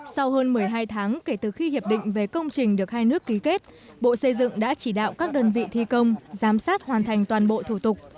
sau hơn một mươi hai tháng kể từ khi hiệp định về công trình được hai nước ký kết bộ xây dựng đã chỉ đạo các đơn vị thi công giám sát hoàn thành toàn bộ thủ tục